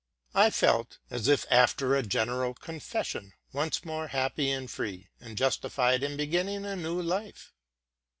I felt, as if after a general confession, once more happy and free, and justified in beginning a new life.